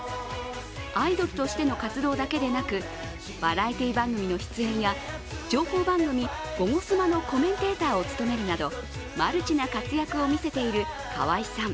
アイドルとしての活動だけでなくバラエティー番組の出演や情報番組「ゴゴスマ」のコメンテーターを務めるなどマルチな活躍を見せている河合さん。